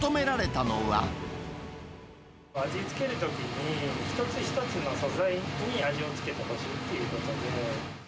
味をつけるときに、一つ一つの素材に味をつけてほしいっていうことで。